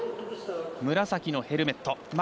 紫のヘルメット